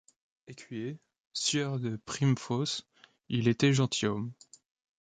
Écuyer, sieur de Primefosse, il était gentilhomme.